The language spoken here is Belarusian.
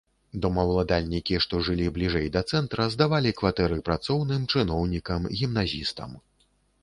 Домаўладальнікі, што жылі бліжэй да цэнтра, здавалі кватэры працоўным, чыноўнікам, гімназістам.